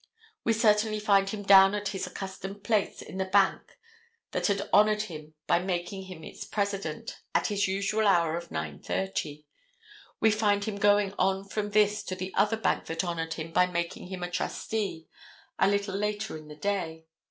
We certainly find him down at his accustomed place in the bank that had honored him by making him its president, at his usual hour of 9:30. We find him going on from this to the other bank that honored him by making him a trustee, a little later in the day.